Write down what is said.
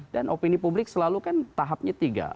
dan opini publik selalu kan tahapnya tiga